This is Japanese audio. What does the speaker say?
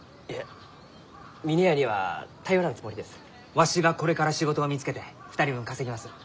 わしがこれから仕事を見つけて２人分稼ぎます。